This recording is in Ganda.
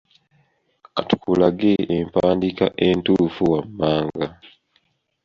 Ka tukulage empandiika entuufu wammanga.